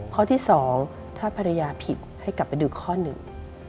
ข้อที่สองถ้าภรรยาผิดให้กลับไปดูข้อหนึ่ง